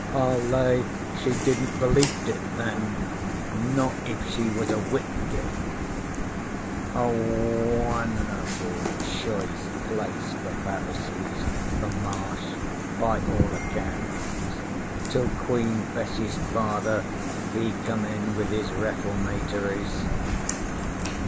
'I'll lay she didn't belieft it, then not if she was a Whitgift. A won'erful choice place for Pharisees, the Marsh, by all accounts, till Queen Bess's father he come in with his Reformatories.'